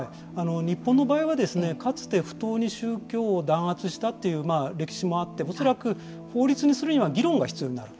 日本の場合はかつて不当に宗教を弾圧したという歴史もあって法律にするには議論が必要になる。